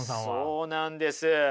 そうなんです。